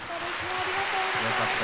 ありがとうございます。